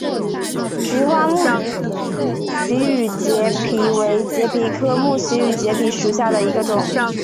菊花木畸羽节蜱为节蜱科木畸羽节蜱属下的一个种。